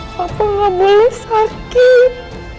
papa gak boleh sakit